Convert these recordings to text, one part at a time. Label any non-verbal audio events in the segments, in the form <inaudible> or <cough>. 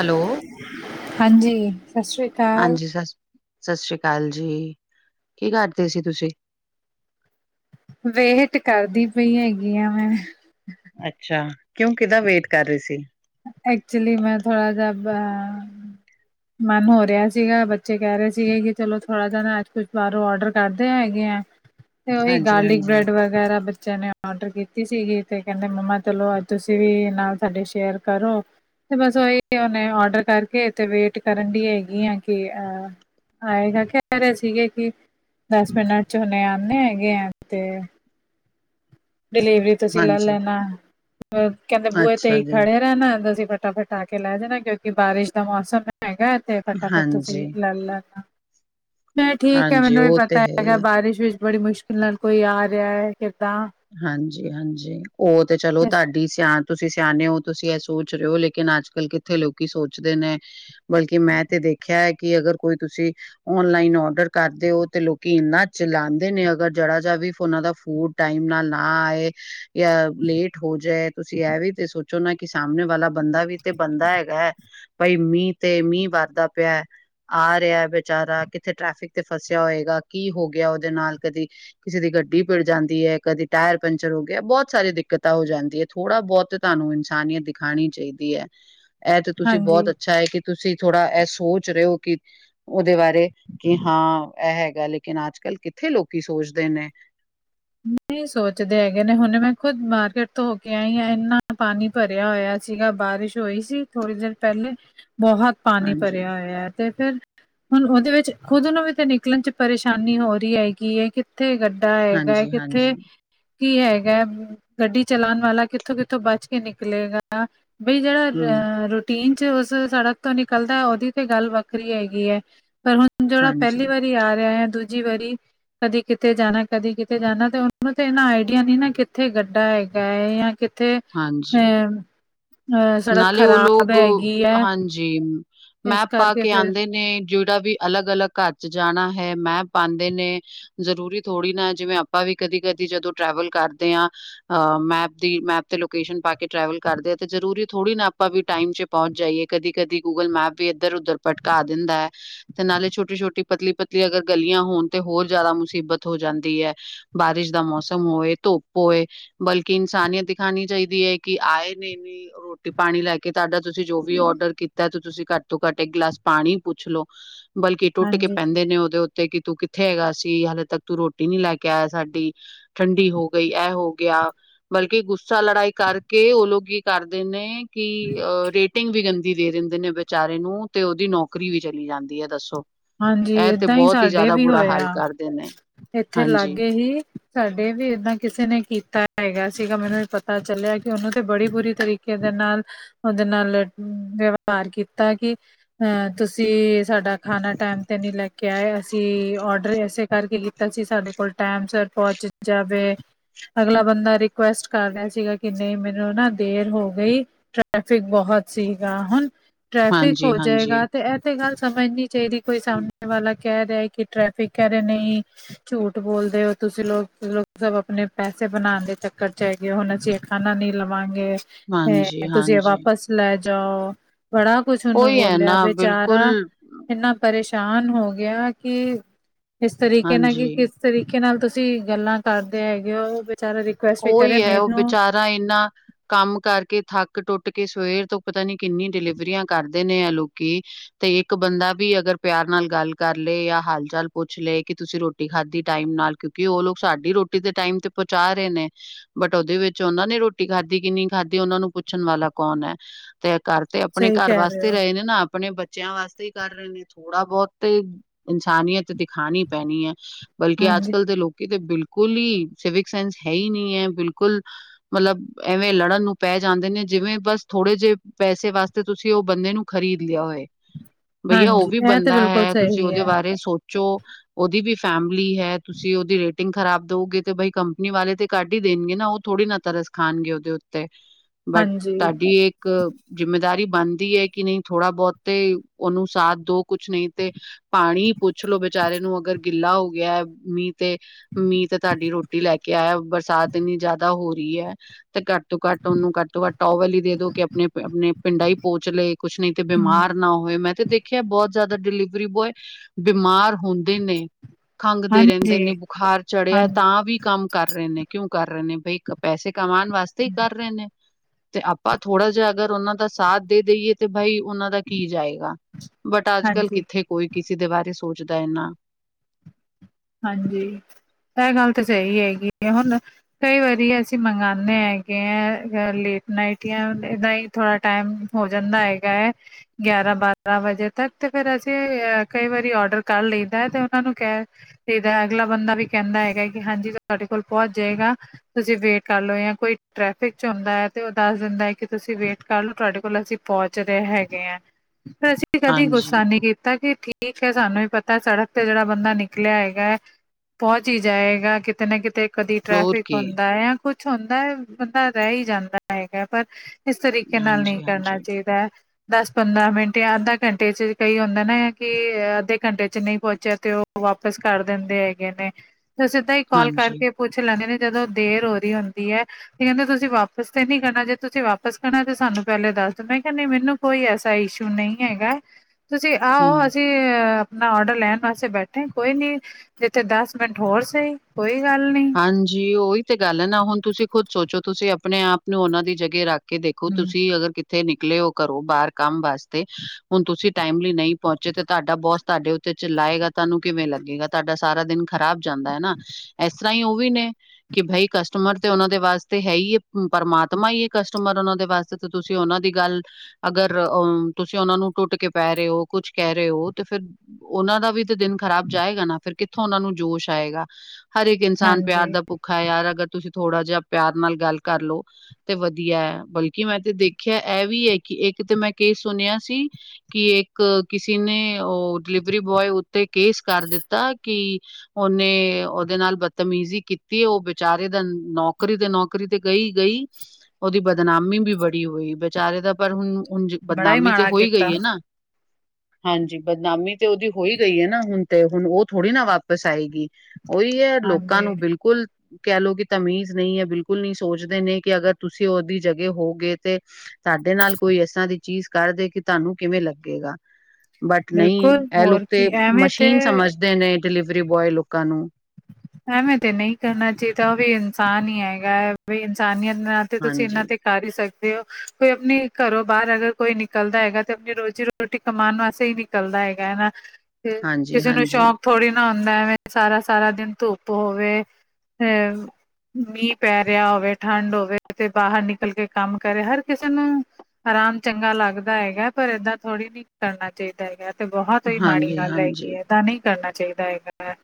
Hello, ਹਾਂਜੀ, ਸਤਿ ਸ੍ਰੀ ਅਕਾਲ। ਹਾਂਜੀ ਸਾਸ ਸਸ੍ਰੀ ਕਾਲ ਜੀ। ਕੀ ਕਰਦੇ ਸੀ? ਤੁਸੀ ਵੇਟ ਕਰਦੀ ਪਈ ਹੈਗੀ ਆਂ ਮੈਂ। ਅੱਛਾ, ਕਿਉ ਕੀਹਦਾ ਵੇਟ ਕਰ ਰਏ ਸੀ? ਐਕਚੁਲੀ ਮੈਂ ਥੋੜਾ ਜਿਆ ਮਨ ਹੋ ਰਿਹਾ ਸੀਗਾ ਬੱਚੇ ਕਹਿ ਰਹੇ ਸੀਗੇ ਕਿ ਚਲੋ ਥੋੜਾ ਜਾ ਨਾ, ਅੱਜ ਕੁਛ ਬਾਹਰੋਂ ਔਡਰ ਕਰਦੇ ਹੈਗੇ ਆ। <unintelligible> ਤੇ ਉਹੀ ਗਾਰਲਿਕ ਹਾਂਜੀ ਬ੍ਰੈਡ ਵ ਵਗੈਰਾ ਬੱਚਿਆਂ ਨੇ ਔਡਰ ਕੀਤੀ ਸੀਗੀ ਤੇ ਕਹਿੰਦੇ ਮੰਮਾ ਚਲੋਂ, ਤੁਸੀਂ ਵੀ ਨਾਲ ਸਾਡੇ ਸ਼ੇਅਰ ਕਰੋ। ਤੇ ਬਸ ਉਹੀ ਉਹਨੇ ਔਡਰ ਕਰਕੇ ਤੇ ਵੇਟ ਕਰਨ ਡਈ ਹੈਗੀ ਆ ਕਿ ਆਏਗਾ ਕਹਿ ਰਹੇ ਸੀਗੇ ਕਿ ਦਸ ਮਿੰਟ ਚ ਹੁਣੇ ਆਣੇ ਹੈਗੇ ਆ ਤੇ ਡਿਲੀਵਰੀ ਤੁਸੀ ਲੈ ਹਾਂਜੀ ਲੈਨਾ, ਫੇਰ ਕਹਿੰਦੇ ਬੂਏ ਤੇ ਅੱਛਾ ਈ ਜੀ ਖੜੇ ਆਂ। ਤੁਸੀ ਫਟਾਫਟ ਆ ਕੇ ਲੈ ਜਾਨਾ ਕਿਉਕਿ ਬਾਰਿਸ਼ ਦਾ ਮੌਸਮ ਹੈਗਾ। ਤੇ ਫਟਾਫਟ ਤੁਸੀ ਹਾਂਜੀ ਲੈ ਲੈਨਾ। ਮੈਂ ਠੀਕ ਆਂ ਹਾਂਜੀ ਮੈਨੂੰ ਵੀ ਉਹ ਤੇ ਪਤਾ ਹੈ ਹੀ ਹੈਗਾ ਹੈ ਬਾਰਿਸ਼ ਵਿੱਚ ਬੜੀ ਮੁਸ਼ਕਿਲ ਨਾਲ ਕੋਈ ਆ ਰਿਆ ਕਿੱਦਾਂ ਹਾਂਜੀ-ਹਾਂਜੀ ਓ ਤੇ ਚਲੋ ਤਿਆਡੀ ਸਿਆ ਤੁਸੀ ਸਿਆਨੇ ਓ, ਤੁਸੀ ਐ ਸੋਚ ਰਏ ਓ, ਲੇਕਿਨ ਅੱਜਕੱਲ ਕਿੱਥੇ ਲੋਕੀ ਸੋਚਦੇ ਨੇ ਬਲਕਿ ਮੈਂ ਤੇ ਦੇਖਿਆ ਐ, ਕਿ ਅਗਰ ਕੋਈ ਤੁਸੀ ਓਨਲਾਈਨ ਓਡਰ ਕਾਰਦੇ ਓ, ਤੇ ਲੋਕੀ ਇੰਨਾ ਚਲਾਂਦੇ ਨੇ ਅਗਰ ਜਰਾ ਜਾ ਵੀ ਓਨਾ ਦਾ ਫੂਡ ਟਾਈਮ ਨਾਲ ਨਾ ਆਏ ਯਾ ਲੇਟ ਹੋਜੇ, ਤੁਸੀ ਐਵੀ ਤੇ ਸੋਚੋ ਨਾ ਕਿ ਸਾਮਨੇ ਵਾਲਾ ਬੰਦਾ ਵੀ ਤੇ ਬੰਦਾ ਹੈਗੈ, ਬਈ ਮੀਂ ਤੇ ਮੀਂ ਵਰਦਾ ਪਯੈ। ਆ ਰੇਐ ਵਿਚਾਰਾ, ਕਿੱਥੇ ਟ੍ਰੈਫਿਕ ਤੇ ਫੱਸਯਾ ਹੋਏਗਾ, ਕੀ ਹੋਗਯਾ ਓਦੇ ਨਾਲ ਕਦੀ ਕਿਸੇ ਦੀ ਗੱਡੀ <unintelligible> ਕਦੇ ਟਾਯਰ ਪੰਚਰ ਹੋਗਯਾ, ਬੋਤ ਸਾਰੀ ਦਿੱਕਤਾਂ ਹੋ ਜਾਂਦੀ ਏ, ਥੋੜਾ ਬੋਤ ਤੇ ਤਾਨੂੰ ਇਨਸਾਨੀਅਤ ਖਾਣੀ ਚਾਈਦੀ ਐ, ਐ ਤੇ ਤੁਸੀ ਹਾਂਜੀ ਬੋਤ ਅੱਛਾ ਏ ਕਿ ਤੁਸੀ ਥੋੜਾ ਸੋਚ ਰੇਓ ਕਿ ਓਦੇ ਬਾਰੇ ਕਿ ਹਾਂ ਐ ਹੈਗਾ ਲੇਕਿਨ ਅੱਜ-ਕੱਲ ਕਿੱਥੇ ਲੋਕੀ ਸੋਚਦੇ ਨੇ। ਨੀ ਸੋਚਦੇ ਹੈਗੇ ਨੇ, ਹੁਨੇ ਮੈਂ ਖੁਦ ਮਾਰਕੀਟ ਤੋ ਹੋਕੇ ਆਈਂ ਆਂ, ਐਨਾਂ ਪਾਨੀ ਭਰਿਆ ਹੋਇਆ ਸੀਗਾ ਬਾਰਿਸ਼ ਹੋਈ ਸੀ ਥੋੜੀ ਦੇਰ ਪਹਿਲੇ ਬਹੁਤ ਪਾਣੀ ਹਾਂਜੀ, ਭਰਿਆ ਹੋਇਆ ਤੇ ਫਿਰ ਹੁਣ ਉਹਦੇ ਵਿੱਚ ਖੁਦ ਨੂੰ ਵੀ ਤੇ ਨਿਕਲਣ ਚ ਪਰੇਸ਼ਾਨੀ ਹੋ ਰਹੀ ਹੈਗੀ ਹੈ ਕਿੱਥੇ ਗੱਡਾ ਹੈਗਾ ਹੈ ਹਾਂਜੀ, ਕਿੱਥੇ ਹਾਂਜੀ, ਕੀ ਹੈਗਾ ਗੱਡੀ ਚਲਾਉਣ ਵਾਲਾ ਕਿੱਥੋਂ ਕਿੱਥੋਂ ਬਚ ਕੇ ਨਿਕਲੇਗਾ ਬਈ ਜਿਹੜਾ ਹੂੰ, ਅ ਰ ਟੀਨ ਚ ਉਸ ਸੜਕ ਤੋਂ ਨਿਕਲਦਾ ਉਹਦੀ ਤੇ ਗੱਲ ਵੱਖਰੀ ਹੈਗੀ ਹੈ ਪਰ ਹੁਣ ਜਿਹੜਾ ਪਹਿਲੀ ਹਾਂਜੀ, ਵਾਰੀ ਆ ਰਿਹਾ ਹੈ ਦੂਜੀ ਵਾਰੀ ਕਦੀ ਕਿਤੇ ਜਾਣਾ ਕਦੀ ਕਿਤੇ ਜਾਣਾ ਤੇ ਉਨੂੰ ਤੇ ਇਨਾ ਆਈਡੀਆ ਨੀ ਨਾ ਕਿੱਥੇ ਗੱਡਾ ਹੈਗਾ ਹੈ ਜਾਂ ਤੇ ਹਾਂਜੀ। ਅਮ ਨਾਲੇ ਉਹ ਲੋਕ ਹੈ ਹਾਂਜੀ ਇਸ ਮੈਪ ਪਾ ਕਰਕੇ ਕੇ ਫਿਰ ਆਂਦੇ ਨੇ ਜੋ ਾ ਵੀ ਅਲੱਗ ਅਲੱਗ ਘਰ ਚ ਜਾਣਾ ਹੈ ਮੈਂ ਪਾਂਦੇ ਨੇ ਜ਼ਰੂਰੀ ਥੋੜ੍ਹੀ ਨਾ ਜਿਵੇਂ ਆਪਾਂ ਵੀ ਕਦੀ ਕਦੀ ਜਦੋਂ ਟਰੈਵਲ ਕਰਦੇ ਹਾਂ ਅ ਮੈਪ ਦੀ ਮੈਪ ਤੇ ਲੋਕੇਸ਼ਨ ਪਾ ਕੇ ਟ੍ਰੈਵਲ ਕਰਦੇ ਆ ਤੇ ਜਰੂਰੀ ਥੋੜ੍ਹੀ ਨਾ ਆਪਾਂ ਵੀ ਟਾਈਮ ਚ ਪਹੁੰਚ ਜਾਈਏ ਕਦੀ ਕਦੀ ਗੂਗਲ ਮੈਪ ਵੀ ਏਧਰ ਉੱਧਰ ਭਟਕਾ ਦਿੰਦਾ ਹੈ ਤੇ ਨਾਲੇ ਛੋਟੀ ਛੋਟੀ ਪਤਲੀ ਪਤਲੀ ਅਗਰ ਗਲੀਆਂ ਹੋਣ ਤੇ ਹੋਰ ਜ਼ਿਆਦਾ ਮੁਸੀਬਤ ਹੋ ਜਾਂਦੀ ਹੈ। ਬਾਰਿਸ਼ ਦਾ ਮੌਸਮ ਹੋਵੇ ਧੁੱਪ ਹੋਵੇ। ਬਲਕਿ ਇਨਸਾਨੀਅਤ ਦਿਖਾਣੀ ਚਾਹੀਦੀ ਹੈ ਕਿ ਆਏ ਨੇ ਰੋਟੀ ਪਾਣੀ ਲੈ ਕੇ ਤੁਹਾਡਾ ਤੁਸੀਂ ਜੋ ਵੀ ਔਡਰ ਕੀਤਾ ਤੇ ਤੁਸੀਂ ਘੱਟ ਤੋਂ ਘੱਟ ਇੱਕ ਗਲਾਸ ਪਾਣੀ ਪੁੱਛ ਲੋੋ। ਬਲਕਿ ਟੁੱਟ ਕੇ ਹਾਂਜੀ ਪੈਂਦੇ ਨੇ ਉਦੇ ੱਤੇ ਕਿ ਤੂੰ ਕਿੱਥੇ ਹੈਗਾ ਸੀ ਹਾਲੇ ਤੱਕ ਤੂੰ ਰੋਟੀ ਨੀ ਲੈ ਕੇ ਆਇਆ ਸਾਡੀ ਠੰਡੀ ਹੋ ਗਈ ਇਹ ਹੋ ਗਿਆ। ਬਲਕਿ ਗੁੱਸਾ ਲੜਾਈ ਕਰਕੇ ਉਹ ਲੋਕ ਕੀ ਕਰਦੇ ਨੇ ਕਿ ਰੇਟਿੰਗ ਵੀ ਗੰਦੀ ਦੇ ਦਿੰਦੇ ਨੇ ਵਿਚਾਰੇ ਨੂੰ ਤੇ ਉਹਦੀ ਨੌਕਰੀ ਵੀ ਚਲੀ ਜਾਂਦੀ ਹੈ ਦੱਸੋ? ਹਾਂਜੀ ਇਹ ਤੇ ਏਦਾਂ ਹੀ ਬਹੁਤ ਸਾਡੇ ਜ਼ਿਆਦਾ ਵੀ ਬੁਰਾ ਹੋਏ ਹਾਲ ਆ ਕਰਦੇ ਨੇ ਇੱਥੇ ਹਾਂਜੀ, ਲਾਗੇ ਹੀ ਸਾਡੇ ਵੀ ਇਦਾ ਕਿਸੇ ਨੇ ਕੀਤਾ ਹੈਗਾ ਸੀਗਾ ਮੈਨੂੰ ਪਤਾ ਚੱਲਿਆ ਕਿ ਉਨੂੰ ਤੇ ਬੜੀ ਬੁਰੀ ਤਰੀਕੇ ਕਿਦੇ ਨਾਲ ਉਹਦੇ ਨਾਲ ਵਿਵਹਾਰ ਕੀਤਾ ਕਿ ਹਾਂ ਤੁਸੀਂ ਸਾਡਾ ਖਾਣਾ ਟੈਮ ਤੇ ਨਹੀਂ ਲੈ ਕੇ ਆਏ ਅਸੀਂ ਔਡਰ ਇਸੇ ਕਰਕੇ ਕੀਤਾ ਸੀ ਸਾਡੇ ਕੋਲ ਟੈਮ ਸਰ ਪਹੁੰਚ ਜਾਵੇ ਅਗਲਾ ਬੰਦਾ ਰਿਕੁਐਸਟ ਕਰ ਰਿਹਾ ਸੀਗਾ ਕਿ ਨਹੀਂ ਮੈਨੂੰ ਨਾ ਦੇਰ ਹੋ ਗਈ। ਟ੍ਰੈਫਿਕ ਬਹੁਤ ਸੀਗਾ ਹੁਣ ਟ੍ਰੈਫਿਕ ਹਾਂਜੀ, ਹੋ ਹਾਂਜੀ। ਜਾਏਗਾ ਤੇ ਤੇ ਗੱਲ ਸਮਝ ਨੀ ਚਾਹੀਦੀ ਕੋਈ ਸਾਹਮਣੇ ਵਾਲਾ ਕਹਿ ਰਿਹਾ ਕਿ ਟ੍ਰੈਫਿਕ ਕਹਿ ਰਹੇ ਨਹੀਂ ਝੂਠ ਬੋਲਦੇ ਹੋ ਤੁਸੀਂ ਲੋਕ ਸ ਆਪਣੇ ਪੈਸੇ ਬਣਾਣ ਦੇ ਚੱਕਰ ਚ ਹੁਣ ਅਸੀਂ ਖਾਣਾ ਨਹੀਂ ਲਵਾਂਗੇ ਹਾਂਜੀ, ਤੇ ਤੁਸੀਂ ਹਾਂਜੀ। ਵਾਪਸ ਲੈ ਜਾਓ। ਬੜਾ ਕੁਛ ਉਨੂੰ ਉਹੀ ਹੈ ਨਾ ਬੋਲਿਆ ਬਿਲਕੁਲ ਬੇਚਾਰਾ ਇੰਨਾ ਪਰੇਸ਼ਾਨ ਹੋ ਗਿਆ ਕਿ ਇਸ ਤਰੀਕੇ ਨਾਲ ਹਾਂਜੀ ਕਿ ਕਿਸ ਤਰੀਕੇ ਨਾਲ ਤੁਸੀਂ ਗੱਲਾਂ ਕਰਦੇ ਹੈਗੇ ਹੋ ਉਹ ਵਿਚਾਰਾ ਰਿਕੁਐਸਟ ਵੀ ਕਰਿਆ ਉਹੀ ਹੈ ਉਹ ਮੇਨੂੰ ਬੇਚਾਰਾ ਇੰਨਾ ਕੰਮ ਕਰਕੇ ਥੱਕ ਟੁੱਟ ਕੇ ਸਵੇਰ ਤੋਂ ਪਤਾ ਨੀ ਕਿੰਨੀ ਡਿਲੀਵਰੀਆਂ ਕਰਦੇ ਨੇ ਆ ਲੋਕੀ ਤੇ ਇੱਕ ਬੰਦਾ ਵੀ ਅਗਰ ਪਿਆਰ ਨਾਲ ਗੱਲ ਕਰ ਲਏ ਜਾਂ ਹਾਲ ਚਾਲ ਪੁੱਛ ਲਏ ਕਿ ਤੁਸੀਂ ਰੋਟੀ ਰੋਟੀ ਖਾਧੀ ਟਾਈਮ ਨਾਲ ਕਿਉਂਕਿ ਉਹ ਲੋਕ ਸਾਡੀ ਰੋਟੀ ਦੇ ਟਾਈਮ ਤੇ ਪਹੁੰਚਾ ਰਹੇ ਨੇ ਬਟ ਉਹਦੇ ਵਿੱਚ, ਉਹਨਾਂ ਨੇ ਰੋਟੀ ਖਾਧੀ ਕਿ ਨਹੀਂ, ਖਾਧੀ ਉਹਨਾਂ ਨੂੰ ਪੁੱਛਣ ਵਾਲਾ ਕੌਣ ਹੈ। ਤੇ ਕਰ ਤੇ ਆਪਣੇ ਸਹੀ ਘਰ ਕਹਿ ਵਾਸਤੇ ਹੋ ਰਹੇ ਨੇ ਨਾ, ਆਪਣੇੇ- ਬੱਚਿਆਂ ਵਾਸਤੇ ਹੀ ਕਰ ਰਹੇ ਨੇ। ਥੋੜਾ ਬਹੁਤ ਤੇ ਇਨਸਾਨੀਅਤ ਦਿਖਾਣੀ ਪੈਣੀ ਹੈ। ਬਲਕਿ ਅੱਜ ਹਾਂਜੀ ਕੱਲ ਦੇ ਲੋਕੀ ਤੇ ਬਿਲਕੁਲ ਹੀ, ਸਿਵਿਕ ਸੈਂਸ ਹੈ ਹੀ ਨਹੀਂ ਹੈ। ਬਿਲਕੁਲ, ਮਤਲਬ ਐਵੇਂ ਲੜਨ ਨੂੰ ਪੈ ਜਾਂਦੇ ਨੇ, ਜਿਵੇਂ ਬਸ ਥੋੜੇ ਜਿਹੇ ਪੈਸੇ, ਵਾਸਤੇ- ਤੇ ਤੁਸੀਂ ਉਹ ਬੰਦੇ ਨੂੰ ਖ਼ਰੀਦ ਲਿਆ ਹੋਏ। ਬਈਆ ਉਹ ਹਾਂਜੀ ਵੀ ਇਹ ਤੇ ਬੰਦਾ ਬਿਲਕੁਲ ਹੈ। ਤੁਸੀਂ ਸਹੀ ਉਹਦੇ ਹੈ ਬਾਰੇ ਸੋਚ- ੋ ਉਹਦੀ ਵੀ ਫੈਮਲੀ ਹੈ। ਤੁਸੀਂ ਉਹਦੀ ਰੇਟਿੰਗ ਖ਼ਰਾਬ ਦਓਗੇ ਤੇ, ਬਾਈ ਕੰਪਨੀ ਵਾਲੇ ਤੇ- ਕੱਢ ਹੀ ਦੇਣਗੇ ਨਾ। ਉਹ ਥੋੜੀ ਨਾ ਤਰਸ ਖਾਣਗੇ ਉਹਦੇ ਉੱਤੇ। ਬਟ ਹਾਂਜੀ ਤੁਹਾਡੀ ਇੱਕ, ਜਿੰਮੇਦਾਰੀ ਬਣਦੀ ਹੈ। ਕਿ ਨਹੀਂ ਥੋੜਾ ਬਹੁਤ ਤੇ ਉਹਨੂੰ ਸਾਥ ਦੋ, ਕੁਛ ਨਹੀਂ ਤੇ, ਪਾਣੀ ਪੁੱਛ ਲੋੋ ਬੇਚਾਰੇ ਨੂੰ, ਅਗਰ ਗਿੱਲਾ ਹੋ ਗਿਆ। ਮੀਂਹ- ਤੇ ਮੀਂਹ ਤੇ ਤੁਹਾਡੀ ਰੋਟੀ ਲੈ ਕੇ ਆਇਆ। ਬ- ਬਰਸਾਤ ਇੰਨੀ ਜ਼ਿਆਦਾ ਹੋ ਰਹੀ ਹੈ। ਤੇ ਘੱਟ ਤੋਂ ਘੱਟ ਉਹਨੂੰ ਘੱਟ ਤੋਂ ਘੱਟ ਟੋਵਲ ਹੀ ਦੇ ਦੋ। ਕੇ ਆਪਣੇ, ਆਪਣੇ ਪਿੰਡਾਂ ਹੀ ਪੋਚ ਲਏ। ਕੁਛ ਨਹੀਂ ਤੇ, ਹਮ ਬਿਮਾਰ ਨਾ ਹੋਏ ਮੈਂ ਤੇ ਦੇਖ। ਖਿਆ ਬਹੁਤ ਜ਼ਿਆਦਾ ਡਿਲੀਵਰੀ ਬੋਆਏ ਬਿਮਾਰ ਹੁੰਦੇ ਨੇ। ਖੰਘਦੇ ਰਹਿੰਦੇ ਹਾਂਜੀ ਨੇ, ਬੁਖਾਰ ਚੜੇਆ ਹਾਂਜੀ ਤਾਂ ਵੀ ਕੰਮ ਕਰ ਰਹੇ ਨੇ। ਕਿਉਂ ਕਰ ਰਹੇ ਨੇ ਬਈ, ਪੈਸੇ ਕਮਾਉਣ ਵਾਸਤੇ ਹੀ ਕਰ ਰਹੇ ਨੇ। ਤੇ ਆਪਾਂ ਥੋੜਾ ਜਿਹਾ ਅਗਰ ਉਹਨਾਂ ਦਾ ਸਾਥ ਦੇ ਦੇਈਏ ਤੇ, ਬਾਈ ਉਹਨਾਂ ਦਾ ਕੀ ਜਾਏਗਾ। ਬਟ ਅੱਜ ਕੱਲ ਹਾਂਜੀ ਕਿੱਥੇ ਕੋਈ, ਕਿਸੇ ਦੇ ਬਾਰੇ ਸੋਚਦਾ ਇੰਨਾ। ਹਾਂਜੀ, ਇਹ ਗੱਲ ਤਾਂ ਸਹੀ ਹੈਗੀ ਆ। ਹੁਣ- ਕਈ ਵਾਰੀ ਅਸੀਂ ਮੰਗਵਾਉਂਦੇ ਹੈਗੇ ਆ। ਲੇਟ ਨਾਈਟ ਜਾਂ ਇਦਾਂ ਹੀ। ਥੋੜਾ ਟਾਈਮ ਹੋ ਜਾਂਦਾ ਹੈਗਾ ਹੈ। ਗਿਆਰਾਂ, ਬਾਰਾਂ ਵਜੇ ਤੱਕ ਤੇ, ਫੇਰ ਅਸੀਂ ਅ ਕਈ ਵਾਰੀ ਔਡਰ ਕਰ ਲਣੀ ਦਾ ਹੈ, ਤੇ ਉਹਨਾਂ ਨੂੰ ਕਹਿ। ਤੇ ਅਗਲਾ ਬੰਦਾ ਵੀ ਕਹਿੰਦਾ ਹੈਗਾ ਕਿ ਹਾਂਜੀ ਤੁਹਾਡੇ ਕੋਲ ਪਹੁੰਚ ਜਾਏਗਾ। ਤੁਸੀਂ ਵੇਟ ਕਰਲੋ, ਜਾਂ ਕੋਈ ਟ੍ਰੈਫਿਕ ਚ ਹੁੰਦਾ ਹੈ ਤੇ, ਉਹ ਦੱਸ ਦਿੰਦਾ ਹੈ ਕਿ, ਤੁਸੀਂ ਵੇਟ ਕਰ ਲੋ ਤੁਹਾਡੇ ਕੋਲ ਅਸੀਂ ਪਹੁੰਚਦੇ ਹੈਗੇ ਹੈ। ਸੀ ਕਦੀ ਹਾਂਜੀ। ਗੁੱਸਾ ਨੀ ਕੀਤਾ ਕਿ, ਠੀਕ ਹੈ ਏ ਸਾਨੂੰ ਵੀ ਪਤਾ ਸੜਕ ਤੇ ਜਿਹੜਾ ਬੰਦਾ ਨਿਕਲਿਆ ਹੈ। ਪਹੁੰਚ ਹੀ ਜਾਏਗਾ, ਕਿਤੇ ਨਾ ਕਿਤੇ ਕਦੀ ਹੋਰ ਟ੍ਰੈਫਿਕ ਕੀ ਹੁੰਦਾ ਹੈ। ਕੁਛ ਹੁੰਦਾ ਹੈ। ਬੰਦਾ ਰਹਿ ਹੀ ਜਾਂਦਾ ਹੈਗਾ। ਪਰ, ਇਸ ਤਰੀਕੇ ਨਾਲ ਨਹੀਂ ਹਾਂਜੀ-ਹਾਂਜੀ, ਕਰਨਾ ਹਾਂਜੀ, ਚਾਹੀਦਾ ਹੈ। ਦਸ ਪੰਦਰਾਂ ਮਿੰਟ ਜਾਂ ਅੱਧਾ ਘੰਟੇ ਚ ਕਈ ਹੁੰਦਾ ਐ ਨਾ ਕਿ ਅੱਧੇ ਘੰਟੇ ਚ ਨਈਂ ਪੌਚਿਆ ਤੇ ਓ ਵਾਪਿਸ ਕਰ ਦਿੰਦੇ ਹੈਗੇ ਨੇ। ਤਦੀ ਤੇ ਕਾਲ ਹਾਂਜੀ, ਕਰਕੇ ਪੁੱਛ ਲੈਂਦੇ ਨੇ, ਜਦੋਂ ਦੇਰ ਹੋ ਰਹੀ ਹੁੰਦੀ ਹੈ। ਤੇ ਕਹਿੰਦੇ ਤੁਸੀਂ ਵਾਪਸ ਤੇ ਨੀ ਕਰਨਾ। ਜੇ ਤੁਸੀਂ ਵਾਪਸ ਕਰਣਾ ਤੇ ਸਾਨੂੰ ਪਹਿਲੇ ਦੱਸ ਦੋ, ਮੈਂ ਕਿਆ ਨਹੀਂ ਮੈਨੂੰ। ਕੋਈ ਐਸਾ ਇਸ਼ੂ ਨਹੀਂ ਹੈਗਾ। ਤੁਸੀਂ ਆਓ। ਹੂੰ। ਅਸੀਂ ਅ ਆਪਣਾ ਔਡਰ ਲੈਣ ਵਸਤੇ ਬੈਠੇ ਹਾਂ, ਕੋਈ ਨੀ ਜਿਥੇ ਦਸ ਮਿੰਟ ਹੋਰ ਸਹੀ, ਕੋਈ ਗੱਲ ਨੀ। ਹਾਂਜੀ, ਉਹੀ ਤੇ ਗਾੱਲ ਹੈ ਨਾ ਹੁਣ ਤੁਸੀਂ ਖੁਦ ਸੋਚੋ ਤੁਸੀਂ ਆਪਣੇ ਆਪ ਨੂੰ ਉਹਨਾਂ ਦੀ ਜਗਾ ਰੱਖ ਕੇ ਦੇਖੋ ਹੂੰ ਤੁਸੀਂ ਅਗਰ ਕਿ- ਥੇ ਨਿਕਲੇ ਹੋ ਘਰੋ ਬਾਹਰ ਕੰਮ ਵਾਸਤੇ। ਹੁਣ ਤੁਸੀਂ ਟਾਈਮਲੀ ਨਹੀਂ ਪਹੁੰਚੇ, ਤੇ ਤੁਹਾਡਾ ਬੋਸ ਤੁਹਾਡੇ ਉੱਤੇ ਚਿਲਾਏਗਾ ਤੁਹਾਨੂੰ ਕਿਵੇਂ ਲੱਗੇਗਾ। ਤੁਹਾਡਾ ਸਾਰਾ ਦਿਨ ਖ਼ਰਾਬ ਜਾਂਦਾ ਹੈ ਨਾ। ਇਸ ਤਰਾਂ ਹੀਂ ਉਹ ਵੀ ਨੇ। ਕਿ ਬਈ ਕਸਟਮਰ ਤੇ ਉਹਨਾਂ ਦੇ ਵਾਸਤੇ ਹੈ ਹੀ ਹੈ। ਪਰਮਾਤਮਾ ਹੀਏ ਕਸਟਮਰ ਉਹਨਾਂ ਦੇ ਵਾਸਤੇ। ਫੇਰ ਤੇ ਤੁਸੀਂ ਉਹਨਾਂ ਦੀ ਗੱਲ, ਅਗਰ ਅ ਤੁਸੀਂ ਉਹਨਾਂ ਨੂੰ ਟੁੱਟ ਕੇ ਪੈ ਰਹੇ ਹੋ, ਕੁੱਛ ਕਹਿ ਰਹੇ ਹੋ, ਤੇ ਫਿਰ। ਉਹਨਾਂ ਦਾ ਵੀ ਤੇ ਦਿਨ ਖ਼ਰਾਬ ਜਾਏਗਾ ਨਾ, ਫੇਰ। ਕਿੱਥੋਂ ਉਹਨਾਂ ਨੂੰ ਜੋਸ਼ ਆਏਗਾ। ਹਰੇ ਇੱਕ ਇਨਸਾਨ ਹਾਂਜੀ ਪਿਆਰ ਦਾ ਭੁੱਖਾ ਹੈ ਯਾਰ, ਅਗਰ ਤੁਸੀਂ ਥੋੜਾ ਜਿਹਾ ਪਿਆਰ ਨਾਲ ਗੱਲ ਕਰ ਲਓ। ਤੇ ਵਧੀਆ ਹੈ। ਬਲਕਿ ਮੈਂ ਤੇ ਦੇਖਿਆ ਇਹ ਵੀ ਹੈ ਕਿ ਇੱਕ ਤਾਂ ਮੈਂ ਕੇਸ ਸੁਣਿਆ ਸੀ। ਕਿ ਇੱਕ ਕਿਸੇ ਨੇ ਓ ਡਿਲੀਵਰੀ ਬੋਆਏ ਉੱਤੇ ਕੇਸ ਕਰ ਦਿੱਤਾ ਕੀ ਉਹਨੇ ਦੇ ਨਾਲ ਬਦਤਮੀਜ਼ੀ ਕੀਤੀ, ਉਹ ਬੇਚਾਰੇ ਦਾ ਨੌਕਰੀ ਤੇ ਨੌਕਰੀ ਤੇ ਗਈ, ਗਈ। ਉਹਦੀ ਬਦਨਾਮੀ ਵੀ ਬੜੀ ਹੋਈ, ਫੇਰ ਵਿਚਾਰੇ ਦਾ ਪਰ ਹੁਣ, ਹੁਣ ਬੜਾ ਹੀ ਬਦਨਾਮੀ ਤੇ ਮਾੜਾ ਹੋਈ ਕੀਤਾ ਗਈ ਹੈ ਨਾ। ਹਾਂਜੀ ਬਦਨਾਮੀ ਤੇ ਉਹਦੀ ਹੋਈ ਗਈ ਏ ਨਾ ਹੁਣ ਤੇ ਹੁਣ ਉਹ ਥੋੜ੍ਹੀ ਨਾ ਵਾਪਿਸ ਆਏਗੀ ਉਹੀ ਐ ਲੋਕਾਂ ਹਾਂਜੀ ਨੂੰ ਬਿਲਕੁਲ ਕਹਿ ਲਓ ਕਿ ਤਮੀਜ਼ ਨਹੀਂ ਹੈ ਬਿਲਕੁਲ ਨਹੀਂੀ ਸੋਚਦੇ ਨੇ ਕਿ ਅਗਰ ਤੁਸੀਂ ਉਹਦੀ ਜਗ੍ਹਾ ਹੋਗੇ ਤੇ ਤੁਹਾਡੇ ਨਾਲ ਕੋਈ ਇਸ ਤ੍ਹਾਂ ਦੀ ਚੀਜ਼ ਕਰਦੇ ਕਿ ਤੁਹਾਨੂੰ ਕਿਵੇਂ ਲੱਗੇਗਾ ਬਟ ਨਹੀਂ ਬਿਲਕੁਲ ਇਹ ਲੋਕ ਹੋਰ ਤੇ ਕੀ ਐਵੇਂ ਤੇ ਮਸ਼ੀਨ ਸਮਝਦੇ ਨੇ ਡਿਲੀਵਰੀ ਬੋਆਏ ਲੋਕਾਂ ਨੂੰ ਐਵੇਂ ਤੇ ਨਹੀਂ ਕਰਨਾ ਚਾਹੀਦਾ ਉਹ ਵੀ ਇਨਸਾਨ ਹੀ ਹੈਗਾ ਹੈ ਵੀ ਇਨਸਾਨੀਅਤ ਨਾ ਤੇ ਤੁਸੀਂ ਇਹਨਾਂ ਹਾਂਜੀ ਤੇ ਕਰ ਹੀ ਸਕਦੇ ਹੋ ਕੋਈ ਆਪਣੀ ਘਰੋਂ ਬਾਹਰ ਅਗਰ ਕੋਈ ਨਿਕਲਦਾ ਹੈਗਾ ਤੇ ਆਪਣੀ ਰੋਜ਼ ਰੋ ਰੋਟੀ ਕਮਾਉਣ ਵਾਸਤੇ ਹੀ ਨਿਕਲਦਾ ਹੈਗਾ ਹਨਾ <inaudible> ਤੇ ਕਿਸੇ ਨੂੰ ਹਾਂਜੀ ਸ਼ੌਂਕ ਥੋੜੀ ਨਾ ਹੁੰਦਾ ਐਵੇਂ ਸਾਰਾ ਸਾਰਾ ਦਿਨ ਧੁੱਪ ਹੋਵੇ <unintelligible> ਮੀਂਹ ਪੈ ਰਿਹਾ ਹੋਵੇ ਠੰਡ ਹੋਵੇ ਤੇ ਬਾਹਰ ਨਿਕਲ ਕੇ ਕੰਮ ਕਰੇ ਹਰ ਕਿਸੇ ਨੂੰ ਆਰਾਮ ਚੰਗਾ ਲੱਗਦਾ ਹੈਗਾ ਪਰ ਏਦਾਂ ਥੋੜ੍ਹੀ ਨੀ ਕਰਨਾ ਚਾਹੀਦਾ ਹੈਗਾ <unintelligible> ਬਹੁਤ ਹੀ ਮਾੜੀ ਹਾਂਜੀ ਗੱਲ ਹੈਗੀ ਹਾਂਜੀ ਏ ਏਦਾਂ ਨਹੀਂ ਕਰਨਾ ਚਾਹੀਦਾ ਹੈਗਾ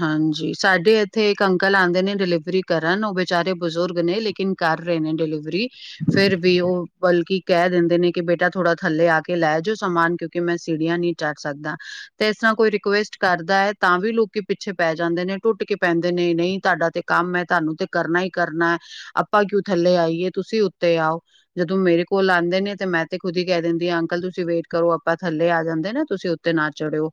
ਹਾਂਜੀ ਸਾਡੇ ਇੱਥੇ ਇੱਕ ਅੰਕਲ ਆਉਂਦੇ ਨੇ ਡਿਲੀਵਰੀ ਕਰਨ ਉਹ ਬੇਚਾਰੇ ਬਜ਼ੁਰਗ ਨੇ ਲੇਕਿਨ ਕਰ ਰਹੇ ਨੇ ਡਿਲੀਵਰੀ ਫੇਰ ਵੀ ਉਹ ਬਲਕਿ ਕੇਹ ਦਿੰਦੇ ਨੇ ਕਿ ਬੇਟਾ ਥੋੜਾ ਥੱਲੇ ਆ ਕੇ ਲੈ ਜੋ ਸਮਾਨ ਕਿਉਂਕਿ ਮੈਂ ਸੀੜੀਆਂ ਨੀ <unintelligible> ਸਕਦਾ ਤੇ ਇਸ ਏਸਤ੍ਹਾਂ ਕੋਈ ਰਿਕੁਐਸਟ ਕਰਦਾ ਹੈ ਤਾਂ ਵੀ ਲੋਕ ਕਿ ਪਿੱਛੇ ਪੈ ਜਾਂਦੇ ਨੇ ਟੁੱਟ ਕੇ ਪੈਂਦੇ ਨੇ ਨਹੀਂ ਤੁਹਾਡਾ ਤੇ ਕੰਮ ਹੈ ਤੁਹਾਨੂੰ ਤੇ ਕਰਨਾ ਹੀ ਕਰਨਾ ਏ ਆਪਾਂ ਕਿਉ ਥੱਲੇ ਆਈਏ ਤੁਸੀਂ ਉੱਤੇ ਆਓ ਜਦੋਂ ਮੇਰੇ ਕੋਲ ਆਉਂਦੇ ਨੇ ਤੇ ਮੈਂ ਤੇ ਖੁਦ ਹੀ ਕੈ ਦਿੰਦੀ ਹਾਂ ਅੰਕਲ ਤੁਸੀਂ ਵੇਟ ਕਰੋ ਆਪਾਂ ਥੱਲੇ ਆ ਜਾਂਦੇ ਨਾ ਤੁਸੀਂ ੳਤੇ ਨਾ ਚੜਿਓ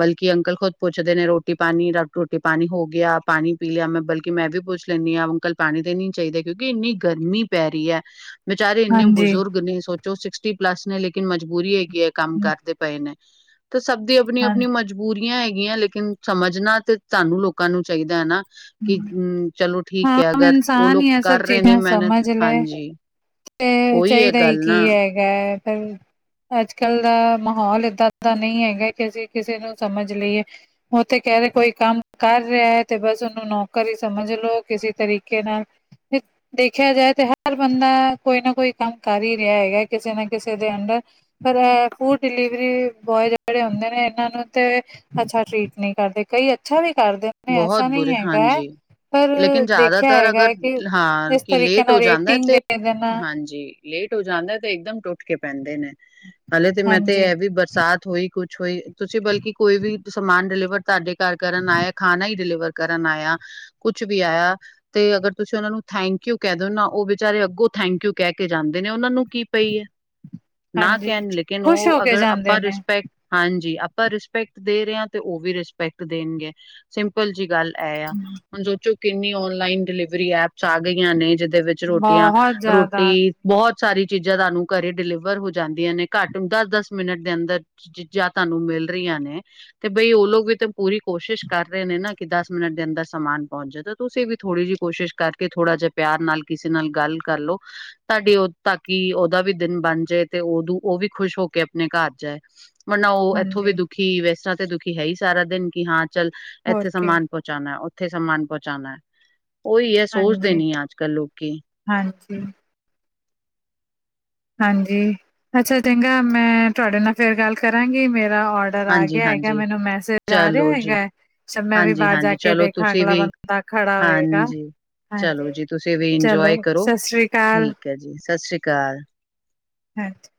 ਬਲਕਿ ਅੰਕਲ ਖੁਦ ਪੁੱਛਦੇ ਨੇ ਰੋ ਟੀ ਪਾਣੀ ਦਾ ਰੋਟੀ ਪਾਣੀ ਹੋ ਗਿਆ ਪਾਣੀ ਪੀ ਲਿਆ ਮੈਂ ਬਲਕਿ ਮੈਂ ਵੀ ਪੁੱਛ ਲੈਂਦੀ ਹਾਂ ਅੰਕਲ ਪਾਣੀ ਦੇ ਨੀ ਚਾਹੀਦਾ ਕਿਉਂਕਿ ਇੰਨੀ ਗਰਮੀ ਪੈ ਰਹੀ ਐ ਵਿਚਾਰੇ ਇੰਨੇ ਹਾਂਜੀ ਬਜ਼ੁਰਗ ਨੇ ਸੋਚੋ ਸਿਕਸਟੀ ਪਲੱਸ ਨੇ ਲੇਕਿਨ ਮਜਬੂਰੀ ਹੈਗੀ ਹੈ ਕੰਮ ਹੂੰ। ਕਰਦੇ ਪਏ ਨੇ ਤੇ ਸਭ ਦੀ ਆਪਣੀ ਆਪਣੀ ਮਜਬੂਰੀਆਂ ਹੈਗੀਆਂ ਲੇਕਿਨ ਸਮਝਣਾ ਤੇ ਤੁਹਾਨੂੰ ਲੋਕਾਂ ਨੂੰ ਚਾਹੀਦਾ ਹੈ ਨਾ ਕਿ ਹਮ ਚਲੋ ਠੀਕ ਹੈ ਅਗਰ ਉਹ ਲੋਕ ਕਰ ਰਹੇ ਨੇ ਮਿਹਨਤ ਹਾਂਜੀ ਤੇ ਉਹੀ ਇਹ ਚਾਹੀਦਾ ਹੀ ਗੱਲ ਕੀ ਨਾ ਹੈਗਾ ਹੈ ਪਰ ਅੱਜ ਕੱਲ ਦਾ ਮਾਹੌਲ ਏਦਾਂ ਦਾ ਨਹੀਂ ਹੈਗਾ ਕਿ ਅਸੀਂ ਕਿਸੇ ਨੂੰ ਸਮਝ ਲਈਏ <unintelligible> ਕਹਿ ਰਹੇ ਕੋਈ ਕੰਮ ਕਰ ਰਿਹਾ ਹੈ ਤੇ ਬਸ ਨੂੰ ਨੌਕਰ ਹੀ ਸਮਝ ਲੋ ਕਿਸੇ ਤਰੀਕੇ ਨਾਲ ਦੇਖਿਆ ਜਾਏ ਤੇ ਹਰ ਬੰਦਾ ਕੋਈ ਨਾ ਕੋਈ ਕੰਮ ਕਰ ਹੀ ਰਿਹਾ ਹੈਗਾ ਕਿਸੇ ਨਾ ਕਿਸੇ ਦੇ ਅੰਡਰ ਪਰ ਏ ਫੂਡ ਡਿਲੀਵਰੀ ਬੋਏ ਜਿਹੜੇ ਹੁੰਦੇ ਨੇ ਇਹਨਾਂ ਨੂੰ ਤੇ ਅੱਛਾ ਟ੍ਰੀਟ ਨਹੀਂ ਕਰਦੇ ਕਈ ਅੱਛਾ ਵੀ ਕਰਦੇ ਨੇ ਬਹੁਤ ਐਸਾ ਨਹੀਂ ਬੁਰੇ ਏ ਹਾਂਜੀ ਲੇਕਿਨ ਜ਼ਿਆਦਾਤਰ ਅਗਰ ਹੈਗਾ ਕਿ ਹਾਂ ਇਸ ਕਿ ਤਰੀਕੇ ਲੇਟ ਹੋ ਨਾਲ ਜਾਂਦਾ ਰੇਟਿੰਗ ਤੇ ਦੇ ਦੇਣਾ ਹਾਂਜੀ ਲੇਟ ਹੋ ਜਾਂਦਾ ਤੇ ਇਕਦਮ ਟੁੱਟ ਕੇ ਪੈਂਦੇ ਨੇ ਹਲੇ ਤੇ ਮੈਂ ਤੇ ਹਾਂਜੀ, ਇਹ ਵੀ ਬ ਸਾਥ ਹੋਈ ਕੁੱਛ ਹੋਈ ਤੁਸੀਂ ਬਲਕਿ ਕੋਈ ਵੀ ਸਮਾਨ ਡਿਲੀਵਰ ਤੁਹਾਡੇ ਘਰ ਕਰਨ ਆਇਆ ਡਲੀਵਰ ਕਰਨ ਆਇਆ ਕੁਛ ਵੀ ਆਇਆ ਤੇ ਅਗਰ ਤੁਸੀਂ ਉਹਨਾ ਨੂੰ ਥੈਂਕ ਯੂ ਕਹਿ ਦਿਓ ਨਾ ਉਹ ਬੇਾਰੇ ਅੱਗੋਂ ਥੈਂਕ ਯੂ ਕਹਿ ਕੇ ਜਾਂਦੇ ਨੇ ਉਹ ਨੂੰ ਕੀ ਪਈ ਏ ਨਾ ਹਾਂਜੀ ਕੈਣ ਲੇਕਿਨ ਉਹ ਖੁਸ਼ ਹੋ ਕੇ ਅਗਰ ਜਾਂਦੇ ਆਪਾਂ ਨੇ। ਰਿਸਪੈਕਟ ਹਾਂਜੀ ਆਪਾਂ ਰਿਸਪੈਕਟ ਦੇ ਰਹੇ ਹਾਂ ਤੇ ਉਹ ਵੀ ਰਿਸਪੈਕਟ ਦੇਣਗੇ ਸਿੰਪਲ ਜੀ ਗੱਲ ਏਆ ਹੂੰ, ਹੁਣ ਸੋਚੋ ਕਿੰਨੀ ਔਨਲਾਈਨ ਡਿਲੀਵਰੀ ਐਪਸ ਆ ਗਈਆਂ ਨੇ ਜਿਦੇ ਵਿੱਚ ਚ ਰੋਟੀਆਂ ਬਹੁਤ ਜ਼ਿਆਦਾ ਰੋਟੀ ਬਹੁਤ ਸਾਰੀ ਚੀਜ਼ਾਂ ਤੁਹਾਨੂੰ ਘਰੇ ਡਿਲੀਵਰ ਹੋ ਜਾਂਦੀਆਂ ਨੇ ਘੱਟ ਦਸ ਦਸ ਮਿੰਟ ਦੇ ਅੰਦਰ ਚੀਜ਼ਾਂ ਤੁਹਾਨੂੰ ਮਿਲ ਰਹੀਆਂ ਨੇ ਤੇ ਬਈ ਉਹ ਲੋਗ ਵੀ ਤਾਂ ਪੂਰੀ ਕੋਸ਼ਿਸ਼ ਕਰ ਰਹੇ ਨੇ ਨਾ ਕਿ ਦਸ ਮਿੰਟ ਦੇ ਅੰਦਰ ਸਮਾਨ ਪਹੁੰਚ ਜਾਏ ਤਾਂ ਤੁਸੀਂ ਵੀ ਥੋੜੀ ਜਿਹੀ ਕੋਸ਼ਿਸ਼ ਕਰਕੇ ਥੋੜਾ ਜਿਹਾ ਪਿਆਰ ਨਾਲ ਕਿਸੇ ਨਾਲ ਗੱਲ ਕਰਲੋ ਤੁਹਾਡੀ ਉਹ ਤਾਂਕੀ ਉਹਦਾ ਵੀ ਦਿਨ ਬਣ ਜਾਏ ਤੇ ਉਦੋਂ ਉਹ ਵੀ ਖੁਸ਼ ਹੋ ਕੇ ਆਪਣੇ ਘਰ ਜਾਏ ਮਨਾਓ ਇੱਥੋਂ ਹਾਂਜੀ ਵੀ ਦੁਖੀ ਵੈਸਰ੍ਹਾਂ ਤੇ ਦੁਖੀ ਹੈ ਹੀ ਸਾਰਾ ਦਿਨ ਕਿ ਹਾਂ, ਚੱਲ ਹੋਰ ਇੱਥੇ ਕੀ ਸਮਾਨ ਪਹੁੰਚਾਉਣਾ, ਉੱਥੇ ਸਮਾਨ ਪਹੁੰਚਾਉਣਾ ਉਹੀ ਹੈ ਸੋਚਦੇ ਹਾਂਜੀ, ਨੀ ਹੈ ਅੱਜ ਕੱਲ ਲੋਕੀ। ਹਾਂਜੀ। ਹਾਂਜੀ, ਅੱਛਾ ਚੰਗਾ ਮੈਂ ਤੁਹਾਡੇ ਨਾਲ ਫਿਰ ਗੱਲ ਕਰਾਂਗੀ ਮੇਰਾ ਔਡ ਰ ਆ ਹਾਂਜੀ ਗਿਆ ਹੈਗਾ ਹਾਂਜੀ ਮੈਨੂੰ ਮੈਸੇਜ ਆ ਰਿਹਾ ਚਲੋ ਜੀ ਹੈਗਾ ਜ ਮੈਂ ਵੀ ਹਾਂਜੀ ਬਾਹਰ ਜਾ ਹਾਂਜੀ ਕੇ ਚਲੋ ਦੇਖਾ ਤੁਸੀਂ ਅਗਲਾ ਵੀ ਬੰਦਾ ਦਾ ਖੜਾ ਹੋਏਗਾ ਹਾਂਜੀ ਚਲੋ ਹਾਂਜੀ, ਜੀ ਤੁਸੀਂ ਵੀ ਚਲੋ ਇੰਜੋਏ ਕਰੋ ਸਤਿ ਸ੍ਰੀ ਅਕਾਲ। ਠੀਕ ਜੀ ਸਤਿ ਸ਼੍ਰੀ ਅਕਾਲ। ਹਾਂ <unintelligible>